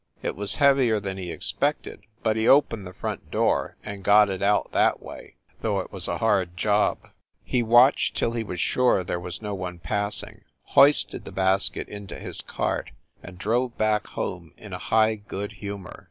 It was heavier than he expected, but he opened the front door and got it out that way, though it was a hard job. He watched till he was sure there was no one passing, hoisted the basket into his cart and drove back home in a high good humor.